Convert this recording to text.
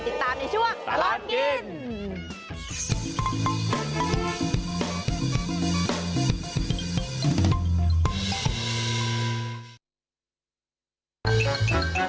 ติดตามในช่วงตลอดกิน